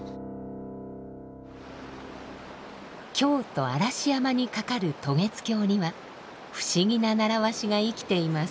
京都嵐山にかかる渡月橋には不思議な習わしが生きています。